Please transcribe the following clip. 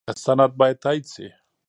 سند باید تایید شي.